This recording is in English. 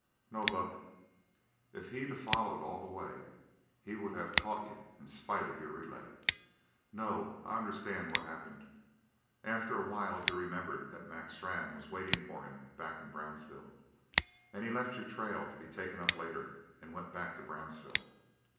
"No, Buck, if he'd a followed all the way he would have caught you in spite of your relay. No, I understand what happened. After a while he remembered that Mac Strann was waiting for him back in Brownsville. And he left your trail to be taken up later and went back to Brownsville.